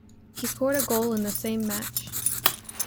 He scored a goal in the same match.